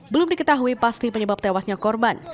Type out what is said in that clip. belum diketahui pasti penyebab tewasnya korban